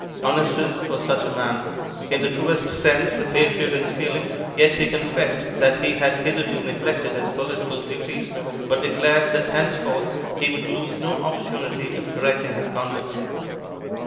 Honestus was such a man: in the truest sense a patriot in feeling, yet he confessed that he had hitherto neglected his political duties, but declared that henceforth he would lose no opportunity of correcting his conduct.